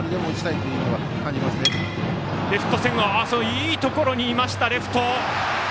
いいところにいました、レフト。